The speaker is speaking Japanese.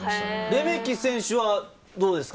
レメキ選手はどうですか？